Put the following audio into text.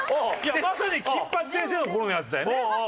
まさに『金八先生』の頃のやつだよね。